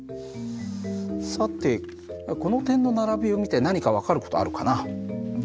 さてこの点の並びを見て何か分かる事あるかな？